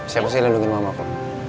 siapa sih yang lindungi mama bu